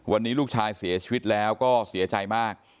วันนี้ลูกชายเสียชีวิตแล้วก็เสียใจมาก